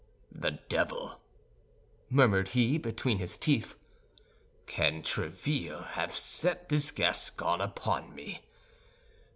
"The devil!" murmured he, between his teeth. "Can Tréville have set this Gascon upon me?